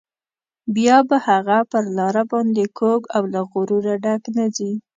بیا به هغه پر لار باندې کوږ او له غروره ډک نه ځي.